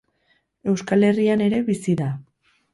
Euskal Herrian ere bizi da.